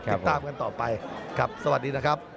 ติดตามกันต่อไปครับสวัสดีนะครับ